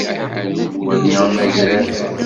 Wali amagrad.